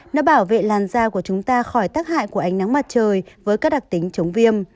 nó bảo vệ làn da của chúng ta khỏi tác hại của ánh nắng mặt trời với các đặc tính chống viêm